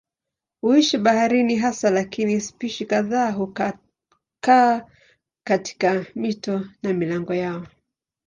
Huishi baharini hasa lakini spishi kadhaa hukaa katika mito na milango yao.